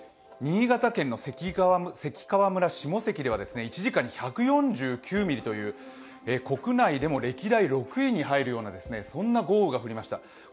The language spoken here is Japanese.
新潟県の関川村下関では１時間に１４９ミリという、国内でも歴代６位に入るような豪雨が降りました。